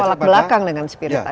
bertolak belakang dengan spirit agama